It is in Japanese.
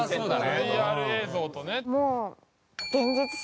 ＶＲ映像とね。